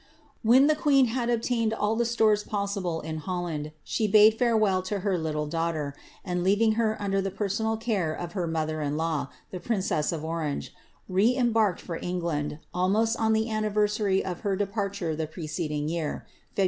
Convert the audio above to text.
When the queen had obtained all tlie stores possible in Holland, she bade farewell to her little daughter, and leaving her under the personal care of her mother in law, the princess of Orange, re embarked (or Eng land, almost on the anniversary of her departure the preceding year, Feb.